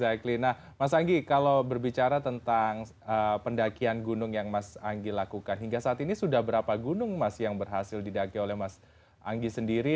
baik nah mas anggi kalau berbicara tentang pendakian gunung yang mas anggi lakukan hingga saat ini sudah berapa gunung mas yang berhasil didagi oleh mas anggi sendiri